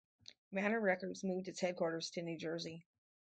Manor Records moved its headquarters to New Jersey.